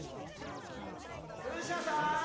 クシャさん！